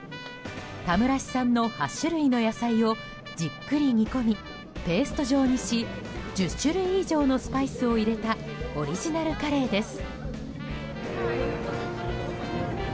田村市産の８種類の野菜をじっくり煮込み、ペースト状にし１０種類以上のスパイスを入れたオリジナルカレーです。